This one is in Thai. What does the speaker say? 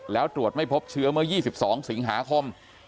แล้วตรวจไม่พบเชื้อเมื่อ๒๒สิงหาคม